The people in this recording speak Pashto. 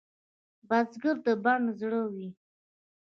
بزګر د بڼ زړه وي